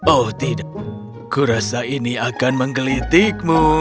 oh tidak aku rasa ini akan menggelitikmu